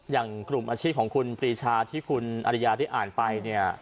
อย่างกลุ่มอาชีพของคุณปรีชาที่คุณอริยาได้อ่านไปเนี่ย